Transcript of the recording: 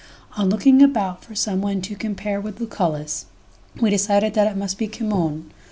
III. On looking about for some one to compare with Lucullus, we decided that it must be Cimon.